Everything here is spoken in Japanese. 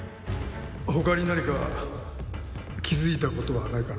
他に何か気づいた事はないかな？